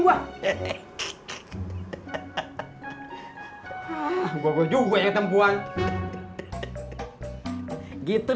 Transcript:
gua gua juga yang tempuan gitu